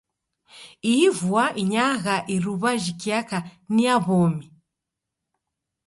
Ihi vua inyagha iruwa jikiaka ni ya w'omi.